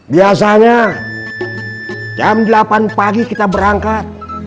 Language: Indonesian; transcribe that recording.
biasanya jam delapan pagi kita berangkat